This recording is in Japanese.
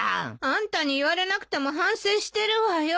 あんたに言われなくても反省してるわよ。